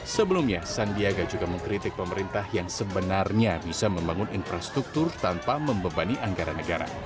sebelumnya sandiaga juga mengkritik pemerintah yang sebenarnya bisa membangun infrastruktur tanpa membebani anggaran negara